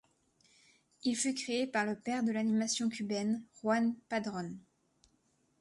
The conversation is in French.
Il fut créé par le père de l'animation cubaine Juan Padrón.